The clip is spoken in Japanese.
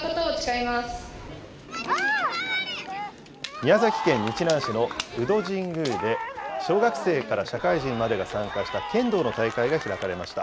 宮崎県日南市の鵜戸神宮で、小学生から社会人までが参加した剣道の大会が開かれました。